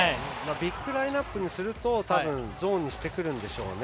ビッグラインアップにすると、たぶんゾーンにしてくるんでしょうね